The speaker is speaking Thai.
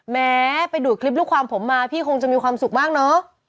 แม้ไปดูดคลิปลูกความผมมาพี่คงจะมีความสุขมากเนอะ